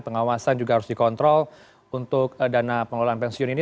pengawasan juga harus dikontrol untuk dana pengelolaan pensiun ini